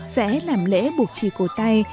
sẽ làm lễ buộc chỉ cầu tay